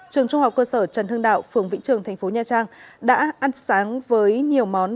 trường trung học cơ sở trần hương đạo phường vĩnh trường tp nha trang đã ăn sáng với nhiều món